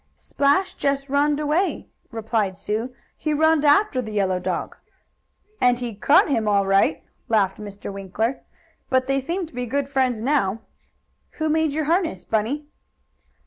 "Splash just runned away," replied Sue, "He runned after the yellow dog." "And he caught him all right," laughed Mr. Winkler. "But they seem to be great friends now. Who made your harness, Bunny?"